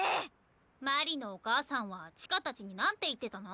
鞠莉のお母さんは千歌たちに何て言ってたの？